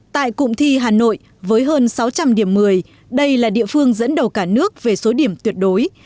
tại cụm thi hà nội với hơn sáu trăm linh điểm một mươi đây là địa phương dẫn đầu cả nước về số điểm tuyệt đối